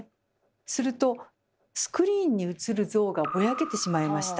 するとスクリーンに映る像がぼやけてしまいました。